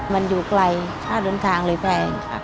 มันอยู่ไกลค่าเดินทางเลยแพง